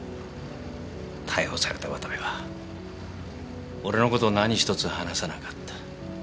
逮捕された渡部は俺の事を何一つ話さなかった。